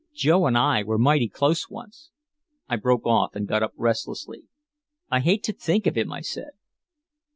Joe and I were mighty close once" I broke off and got up restlessly. "I hate to think of him," I said.